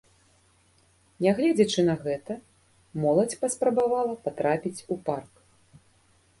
Нягледзячы на гэта моладзь паспрабавала патрапіць у парк.